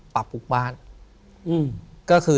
ปลูกบ้านก็คือ